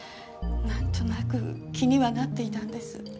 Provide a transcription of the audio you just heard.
なんとなく気にはなっていたんです。